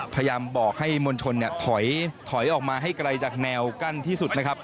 พยายามบอกให้มลชนถอยออกมาให้ไกลจากแนวกั้นที่สุด